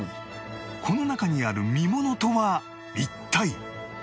この中にある見ものとは一体？